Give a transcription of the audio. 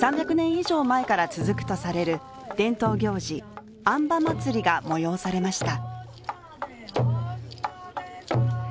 以上前から続くとされる伝統行事、安波祭が催されました。